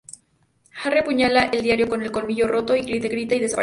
Harry apuñala el diario con el colmillo roto y Riddle grita y desaparece.